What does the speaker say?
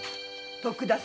徳田様